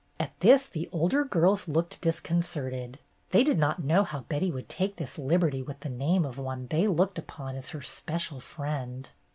At this the older girls looked disconcerted. They did not know how Betty would take this liberty with the name of one they looked upon as her special friend.